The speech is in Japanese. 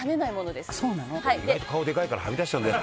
「でも意外と顔でかいからはみ出しちゃうんだよ」